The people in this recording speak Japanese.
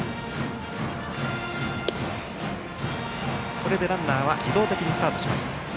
これでランナーは自動的にスタートします。